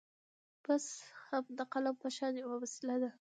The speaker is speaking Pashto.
بس دا هم د قلم په شان يوه وسيله ده.